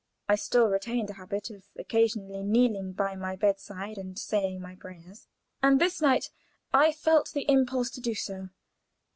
I still retained a habit of occasionally kneeling by my bedside and saying my prayers, and this night I felt the impulse to do so.